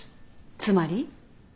つまり？